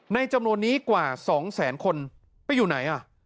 ในจำนวนนี้กว่า๒๐๐๐๐๐คนไปอยู่ไหน